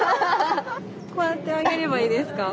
こうやって上げればいいですか？